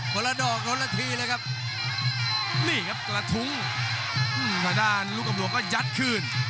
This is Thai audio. คนละดอกคนละทีเลยครับนี่ครับคนละทุ้งอืมข้างด้านลูกกับหลวงก็ยัดคืน